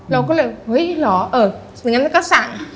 เราก็เลยเฮ้ยเหรอเอออย่างนั้นแล้วก็สั่ง